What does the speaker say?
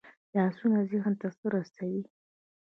لاسونه ذهن ته څه رسوي